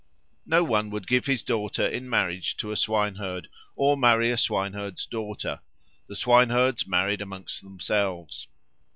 No one would give his daughter in marriage to a swineherd, or marry a swineherd's daughter; the swineherds married among themselves.